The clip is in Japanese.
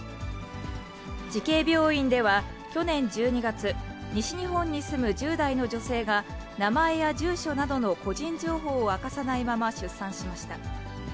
慈恵病院では、去年１２月、西日本に住む１０代の女性が、名前や住所などの個人情報を明かさないまま出産しました。